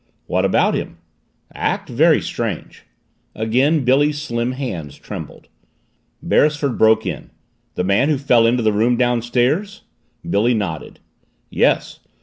"What about him?" "Act very strange." Again Billy's slim hands trembled. Beresford broke in. "The man who fell into the room downstairs?" Billy nodded. "Yes.